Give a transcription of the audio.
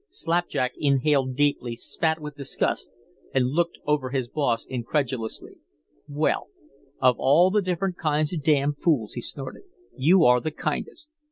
Slapjack inhaled deeply, spat with disgust, and looked over his boss incredulously. "Well, of all the different kinds of damn fools," he snorted, "you are the kindest."